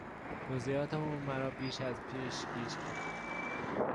توضیحات او مرا بیش از پیش گیج کرد.